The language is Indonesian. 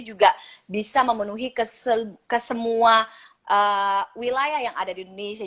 juga bisa memenuhi ke semua wilayah yang ada di indonesia